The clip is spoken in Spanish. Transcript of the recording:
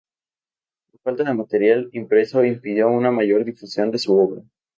La falta de material impreso impidió una mayor difusión de su obra.